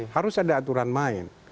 harus ada aturan lain